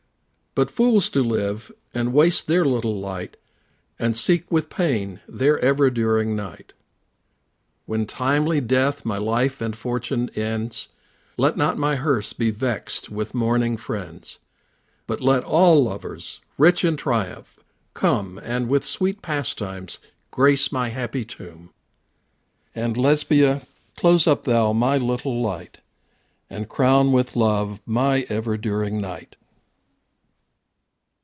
But fools do live, and waste their little light, And seek with pain their ever during night. When timely death my life and fortune ends, Let not my hearse be vexed with mourning friends, But let all lovers, rich in triumph, come And with sweet pastimes grace my happy tomb; And Lesbia, close up thou my little light, And crown with love my ever during night.